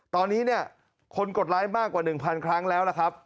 ตอนนี้เนี่ยคนกดไลค์มากกว่า๑๐๐ครั้งแล้วล่ะครับ